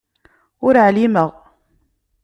Ur εlimeɣ.